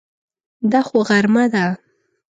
دا خو غرمه ده!